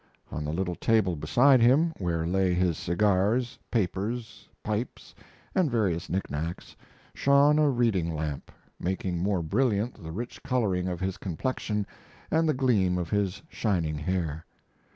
On the little table beside him, where lay his cigars, papers, pipes, and various knickknacks, shone a reading lamp, making more brilliant the rich coloring of his complexion and the gleam of his shining hair.